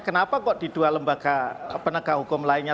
kenapa kok di dua lembaga penegak hukum lainnya